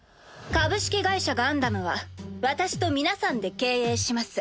「株式会社ガンダム」は私と皆さんで経営します。